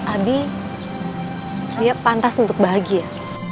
abi dia pantas untuk bahagia